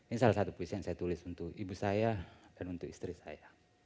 ini salah satu puisi yang saya tulis untuk ibu saya dan untuk istri saya